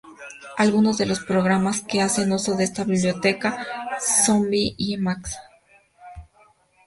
Algunos de los programas que hacen uso de esta biblioteca son vi y emacs.